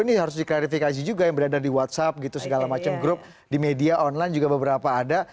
ini harus diklarifikasi juga yang berada di whatsapp gitu segala macam grup di media online juga beberapa ada